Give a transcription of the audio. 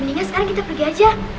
mendingan sekarang kita pergi aja